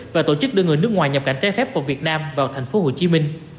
và tổ chức đưa người nước ngoài nhập cảnh trái phép vào việt nam vào tp hcm